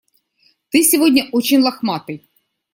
Ты сегодня очень лохматый.